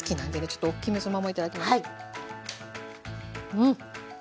うん！